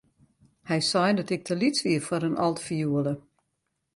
Hy sei dat ik te lyts wie foar in altfioele.